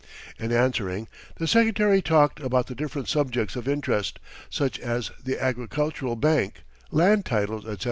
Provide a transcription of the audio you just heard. In answering, the Secretary talked about the different subjects of interest, such as the agricultural bank, land titles, etc.